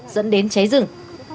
dẫn đến cháy rừng